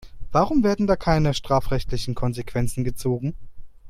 Warum werden da keine strafrechtlichen Konsequenzen gezogen?